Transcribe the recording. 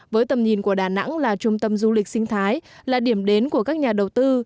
với tầm nhìn của đà nẵng là trung tâm du lịch sinh thái là điểm đến của các nhà đầu tư